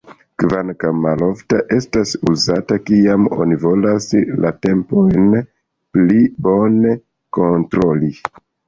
Kvankam malofta, estas uzata kiam oni volas la tempojn pli bone kontroli.